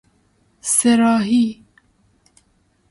سه راهی